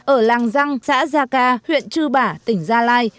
ở làng răng xã gia ca huyện chư bả tỉnh gia lai